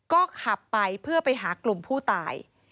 ก็ขับไปเพื่อไปหากลุ่มผู้ตาย